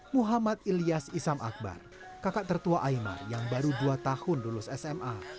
muhammad ilyas isam akbar kakak tertua aymar yang baru dua tahun lulus sma